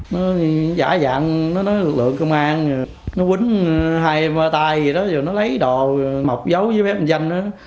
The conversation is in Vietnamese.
nó giả dạng nó nói lực lượng công an nó quýnh hai tay gì đó rồi nó lấy đồ mọc dấu với phép dân đó